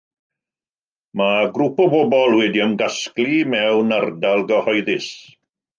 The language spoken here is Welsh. Mae grŵp o bobl wedi ymgasglu mewn ardal gyhoeddus.